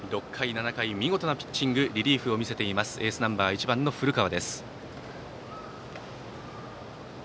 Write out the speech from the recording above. ６回、７回と見事なピッチングリリーフを見せているエースナンバー１番の古川。